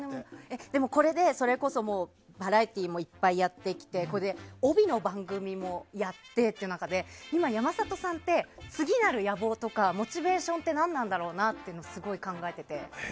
でも、これでそれこそバラエティーもいっぱいやってきてこれで帯の番組もやってって中で今、山里さんって次なる野望とかモチベーションって何なんだろうなってすごい考えていて。